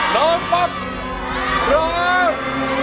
ร้องป๊อปร้อง